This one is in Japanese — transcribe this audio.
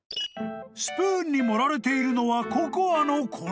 ［スプーンに盛られているのはココアの粉］